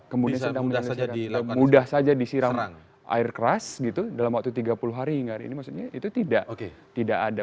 kemudian mudah saja disiram air keras gitu dalam waktu tiga puluh hari hingga hari ini maksudnya itu tidak ada